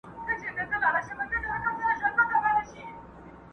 له احتیاجه چي سي خلاص بادار د قام وي!٫.